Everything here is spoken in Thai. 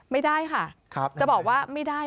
ไม่ได้ค่ะจะบอกว่าไม่ได้